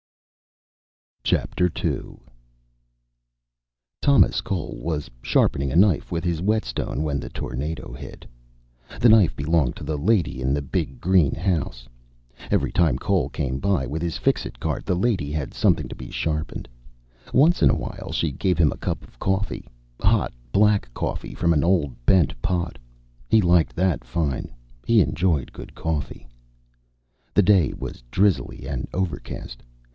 II Thomas Cole was sharpening a knife with his whetstone when the tornado hit. The knife belonged to the lady in the big green house. Every time Cole came by with his Fixit cart the lady had something to be sharpened. Once in awhile she gave him a cup of coffee, hot black coffee from an old bent pot. He liked that fine; he enjoyed good coffee. The day was drizzly and overcast.